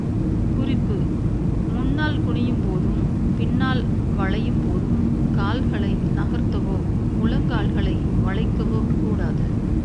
குறிப்பு முன்னால் குனியும் போதும், பின்னால் வளையும் போதும் கால்களை நகர்த்தவோ, முழங்கால்களை வளைக்கவோ கூடாது.